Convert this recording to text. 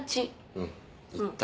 うん言った。